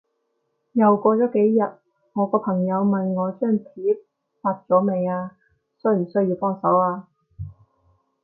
又過咗幾日，我個朋友問我張貼發咗未啊？需唔需要幫手啊？